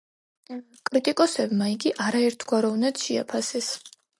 კრიტიკოსებმა იგი არაერთგვაროვნად შეაფასეს.